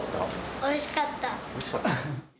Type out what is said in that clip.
おいしかった。